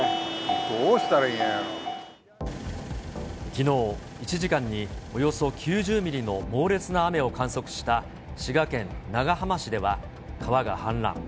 きのう、１時間におよそ９０ミリの猛烈な雨を観測した滋賀県長浜市では、川が氾濫。